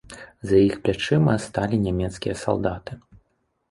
За іх плячыма сталі нямецкія салдаты.